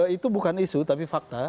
itu bukan isu tapi fakta